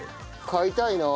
買いたいな。